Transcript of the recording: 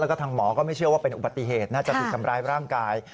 แล้วก็ทางหมอก็ไม่เชื่อว่าเป็นอุบัติเหตุน่าจะถูกทำร้ายร่างกาย